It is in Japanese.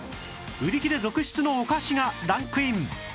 売り切れ続出のお菓子がランクイン